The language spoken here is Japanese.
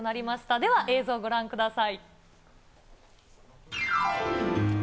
では映像ご覧ください。